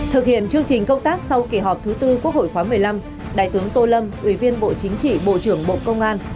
thực hiện chương trình công tác sau kỳ họp thứ tư quốc hội khóa một mươi năm đại tướng tô lâm ủy viên bộ chính trị bộ trưởng bộ công an